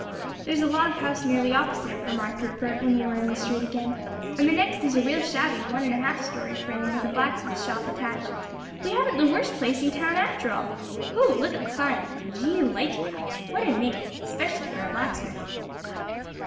"There's a log house nearly opposite," remarked Rupert, when they were in the street again, "and the next is a real shabby one and a half story frame with a blacksmith shop attached. We haven't the worst place in town after all. Ho! look at the sign, 'G. Lightcap;' what a name! 'specially for a blacksmith."